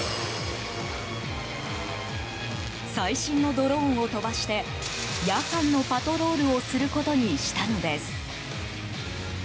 最新のドローンを飛ばして夜間のパトロールをすることにしたのです。